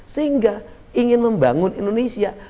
sehingga ingin membangun indonesia